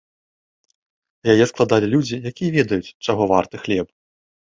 Яе складалі людзі, якія ведаюць, чаго варты хлеб.